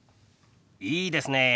いいですねえ。